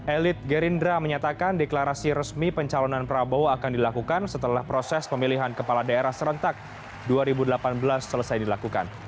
elit gerindra menyatakan deklarasi resmi pencalonan prabowo akan dilakukan setelah proses pemilihan kepala daerah serentak dua ribu delapan belas selesai dilakukan